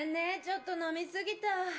ちょっと飲み過ぎた。